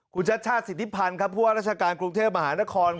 คุณชัดชาติสิทธิพันธ์พวกราชาการกรุงเทพมหานคร